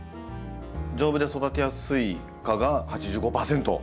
「丈夫で育てやすいか」が８５％。